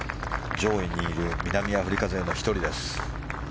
上位にいる南アフリカ勢の１人です。